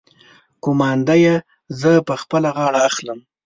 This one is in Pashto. قومانده يې زه په خپله غاړه اخلم.